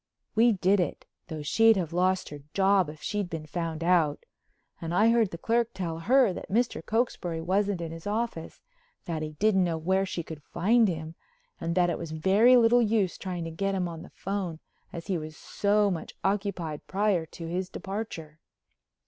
We did it—though she'd have lost her job if she'd been found out—and I heard the clerk tell her that Mr. Cokesbury wasn't in his office, that he didn't know where she could find him, and that it was very little use trying to get him on the phone as he was so much occupied prior to his departure.